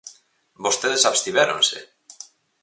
¡Vostedes abstivéronse!